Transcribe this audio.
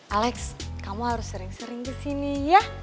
alex kamu harus sering sering kesini ya